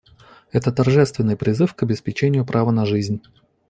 Это торжественный призыв к обеспечению права на жизнь.